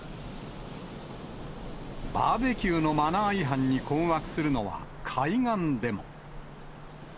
バーベキューのマナー違反に困惑するのは、海岸でも。